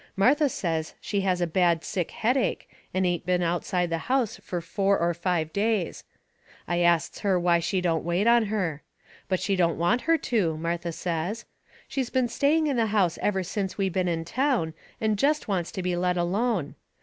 Martha says she has a bad sick headache and ain't been outside the house fur four or five days. I asts her why she don't wait on her. But she don't want her to, Martha says. She's been staying in the house ever since we been in town, and jest wants to be let alone.